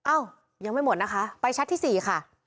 อ้าวยังไม่หมดนะคะไปแชทที่๔ค่ะ